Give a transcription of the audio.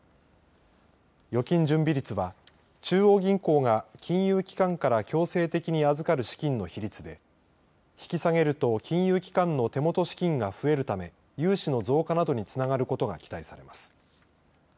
預金準備率は中央銀行が金融機関から強制的に預かる資金の比率で引き下げると金融機関の手元資金が増えるため融資の増加などにつながることが期待されます。